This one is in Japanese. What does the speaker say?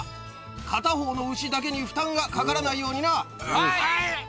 片方の牛だけに負担がかからないはい！